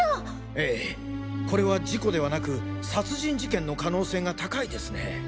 ええこれは事故ではなく殺人事件の可能性が高いですね。